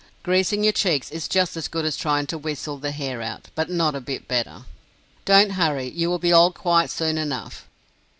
Greasing your cheeks is just as good as trying to whistle the hair out, but not a bit better. Don't hurry; you will be old quite soon enough!